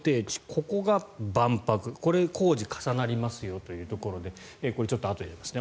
ここが万博これ、工事が重なりますよというところでこれ、ちょっとあとでやりますね。